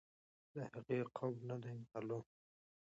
د هغې قوم نه دی معلوم.